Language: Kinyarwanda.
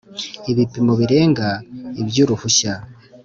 Ibipimo birenga iby uruhushya